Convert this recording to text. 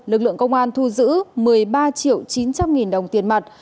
lực lượng công an thu giữ một mươi ba triệu chín trăm linh nghìn đồng tiền mặt